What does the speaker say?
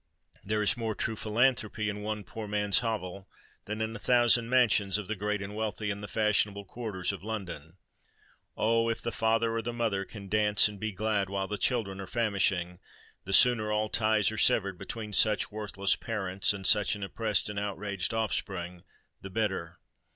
There is more true philanthropy in one poor man's hovel, than in a thousand mansions of the great and wealthy in the fashionable quarters of London. Oh! if the father or the mother can dance and be glad while the children are famishing, the sooner all ties are severed between such worthless parents and such an oppressed and outraged offspring, the better!